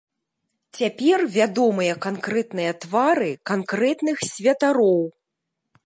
Цяпер вядомыя канкрэтныя твары канкрэтных святароў.